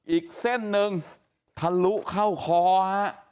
อีกเส้นหนึ่งทะลุเข้าคอฮะ